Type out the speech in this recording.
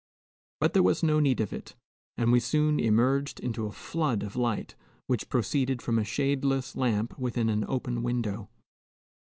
But there was no need of it, and we soon emerged into a flood of light, which proceeded from a shadeless lamp within an open window.